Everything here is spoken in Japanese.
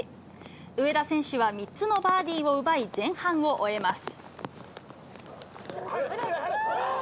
上田選手は３つのバーディーを奪い、前半を終えます。